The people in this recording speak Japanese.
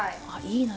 いいな。